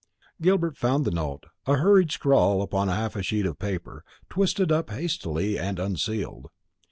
Gilbert found the note; a hurried scrawl upon half a sheet, of paper, twisted up hastily, and unsealed.